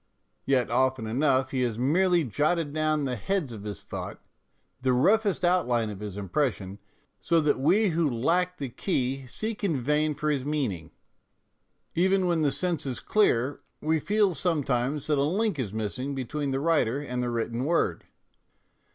Yet often enough he has merely jotted down the heads of his thought, the roughest outline of his impression, so that we who lack the key seek in vain for his meaning. Even when the sense is clear, we feel sometimes that a link is missing between the writer and the written word.